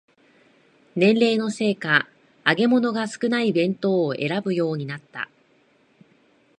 年齢のせいか揚げ物が少ない弁当を選ぶようになった